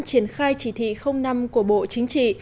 triển khai chỉ thị năm của bộ chính trị